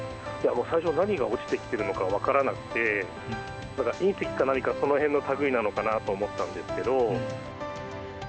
もう、最初何が落ちてきているのか分からなくて、隕石か何か、そのへんのたぐいなのかなと思ったんですけど。